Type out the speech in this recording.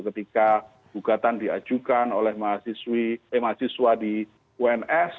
ketika bukatan diajukan oleh mahasiswa di uns